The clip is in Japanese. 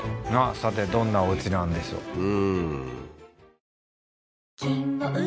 さてどんなおうちなんでしょう